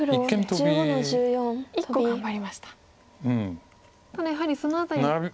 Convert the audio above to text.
ただやはりその辺り。